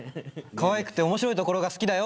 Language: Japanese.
可愛くて面白いところが好きだよ！